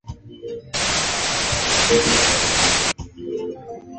mwenyewe mashairi na muziki kila kitu nilotunga mwenyewe na kuimba zinafika sita